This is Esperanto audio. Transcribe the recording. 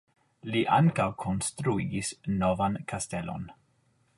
Li ankaŭ konstruigis novan kastelon.